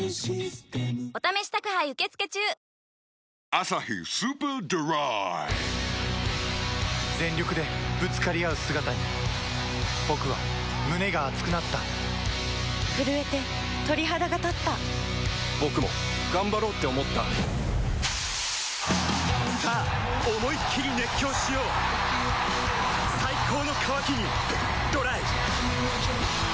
「アサヒスーパードライ」全力でぶつかり合う姿に僕は胸が熱くなった震えて鳥肌がたった僕も頑張ろうって思ったさあ思いっきり熱狂しよう最高の渇きにＤＲＹ